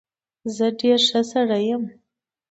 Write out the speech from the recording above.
زه ډېر ښه سړى يم.